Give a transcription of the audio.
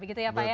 begitu ya pak ya